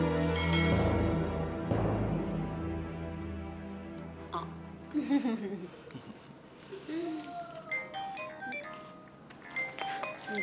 kalau sama kamu rasanya waktu cepet banget berlalu ya